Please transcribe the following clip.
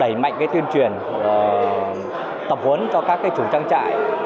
đẩy mạnh tuyên truyền tập huấn cho các chủ trang trại